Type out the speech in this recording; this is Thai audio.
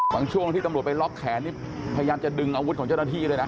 ช่วงที่ตำรวจไปล็อกแขนนี่พยายามจะดึงอาวุธของเจ้าหน้าที่เลยนะ